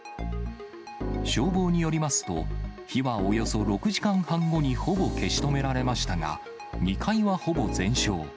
消防によりますと、火はおよそ６時間半後にほぼ消し止められましたが、２階はほぼ全焼。